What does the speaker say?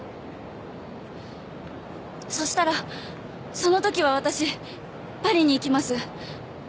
そしたらそのときは私パリに行きます。